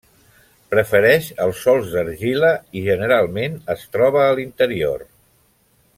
Prefereix els sòls d'argila i generalment es troba a l'interior.